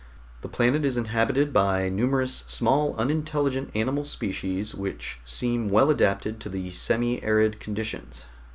"The planet is inhabited by numerous small unintelligent animal species which seem well adapted to the semi arid conditions.